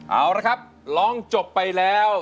เอาละครับร้องจบไปแล้ว